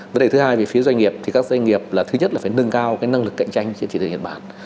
vấn đề thứ hai về phía doanh nghiệp thì các doanh nghiệp là thứ nhất là phải nâng cao năng lực cạnh tranh trên thị trường nhật bản